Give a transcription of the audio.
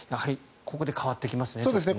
ここで変わってきますね。